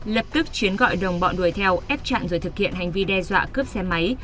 lập tức chiến gọi đồng bọn đuổi theo ép chặn rồi thực hiện hành vi đe dọa cướp xe máy